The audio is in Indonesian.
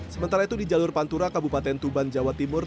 sementara itu di jalur pantura kabupaten tuban jawa timur